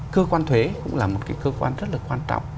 cơ quan thuế cũng là một cái cơ quan rất là quan trọng